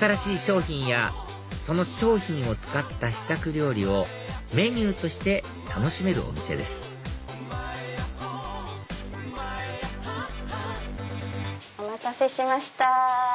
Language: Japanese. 新しい商品やその商品を使った試作料理をメニューとして楽しめるお店ですお待たせしました。